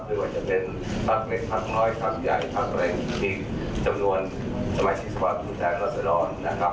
ไม่ว่าจะเป็นภาคเม็ดภาคน้อยภาคใหญ่ภาคแรงที่จำนวนสมัครชีพภาคภูมิแทนลักษณ์ร้อนนะครับ